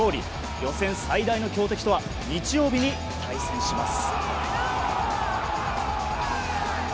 予選最大の強敵とは日曜日に対戦します。